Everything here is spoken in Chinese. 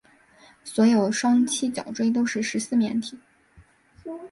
所有双七角锥都是十四面体。